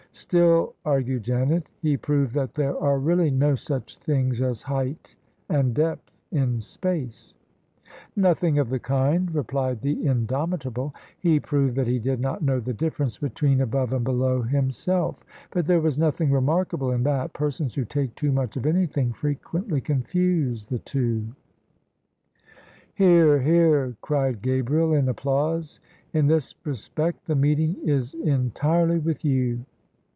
" Still," argued Janet, " he proved that there are really no such things as height and depth in space." " Nothing of the kind," replied the Indomitable. " He proved that he did not know the difference between above and below himself: but there was nothing remarkable in that: persons who take too much of anything frequently confuse the two." [ 195 ] THE SUBJECTION "Hear, hear!" cried Gabriel, In applause; "in this respect the meeting is entirely with you."